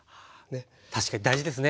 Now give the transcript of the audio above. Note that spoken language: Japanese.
確かに大事ですね